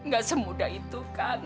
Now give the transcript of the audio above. gak semudah itu kang